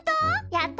やった！